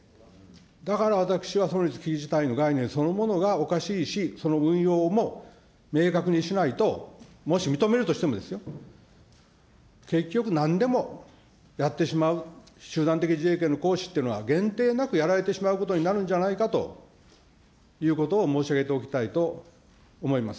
だから私は、存立危機事態の概念そのものがおかしいし、その運用も明確にしないと、もし認めるとしてもですよ、結局、なんでもやってしまう集団的自衛権の行使っていうのは、限定なくやられてしまうことになるんじゃないかということを申し上げておきたいと思います。